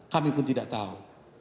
kami pun tidak tahu